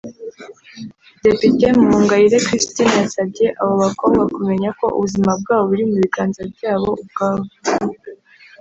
Depite Muhongayire Christine yasabye abo bakobwa kumenya ko ubuzima bwabo buri mu biganza byabo ubwabo